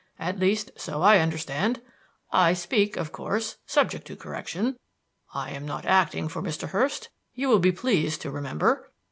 At least, so I understand. I speak, of course, subject to correction; I am not acting for Mr. Hurst, you will be pleased to remember.